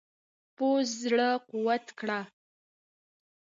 پوځ زړه قوت کړ.